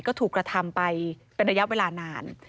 ก็ถูกกระทำไปเป็นระยะเวลานาน